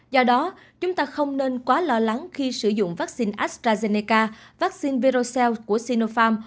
do đó chúng ta không nên quá lo lắng khi sử dụng vaccine astrazeneca vaccine virocell của sinopharm